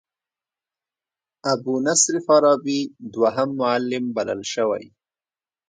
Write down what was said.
ابو نصر فارابي دوهم معلم بلل شوی.